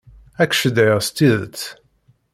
Ad k-cedhiɣ s tidet.